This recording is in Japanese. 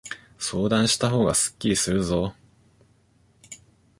相談したほうがすっきりするぞ。